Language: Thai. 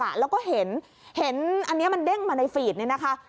แล้วก็เห็นเห็นอันนี้มันเด้งมาในฟีดเนี่ยนะคะ